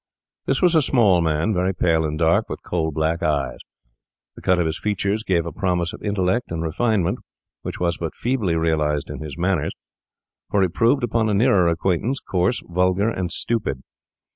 This was a small man, very pale and dark, with coal black eyes. The cut of his features gave a promise of intellect and refinement which was but feebly realised in his manners, for he proved, upon a nearer acquaintance, coarse, vulgar, and stupid.